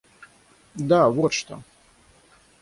Да, вот что!